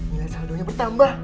nilai saldo nya bertambah